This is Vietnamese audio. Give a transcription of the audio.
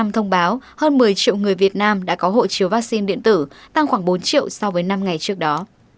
thông báo hơn một mươi triệu người việt nam đã có hộ chiếu vaccine điện tử tăng khoảng bốn triệu so với năm ngày trước đó